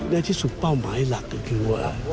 ในที่สุดเป้าหมายหลักก็คือว่า